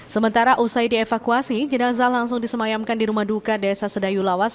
sementara usai dievakuasi jenazah langsung disemayamkan di rumah duka desa sedayu lawas